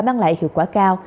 mang lại hiệu quả cao